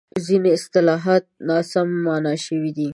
ځینې اصطلاحات ناسم مانا شوي دي.